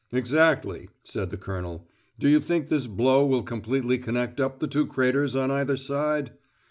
"Exactly," said the Colonel. "Do you think this blow will completely connect up the two craters on either side?"